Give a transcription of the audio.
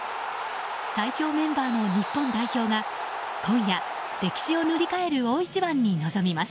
最強メンバーの日本代表が今夜、歴史を塗り替える大一番に臨みます。